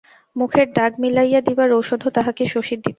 মুখের দাগ মিলাইয়া দিবার ওষুধও তাহাকে শশীর দিতে হয়।